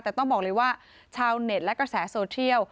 แต่ต้องบอกเลยว่าชาวเน็ตและกระแสโซเทียล